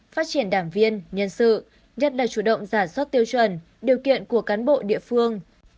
phát triển đảng viên nhân sự nhất là chủ động giả soát tiêu chuẩn điều kiện của cán bộ địa phương